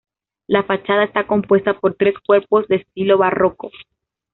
La fachada está compuesta por tres cuerpos de estilo barroco.